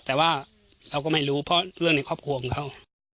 แต่ว่าเราก็ไม่รู้เพราะเรื่องในครอบครัวของเขา